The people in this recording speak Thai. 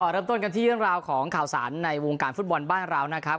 เริ่มต้นกันที่เรื่องราวของข่าวสารในวงการฟุตบอลบ้านเรานะครับ